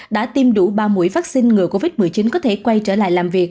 đã tiêm đủ ba mũi vaccine ngừa covid một mươi chín có thể quay trở lại làm việc